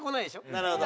なるほど。